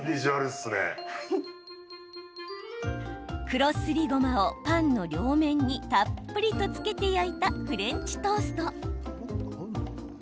黒すりごまをパンの両面にたっぷりとつけて焼いたフレンチトースト。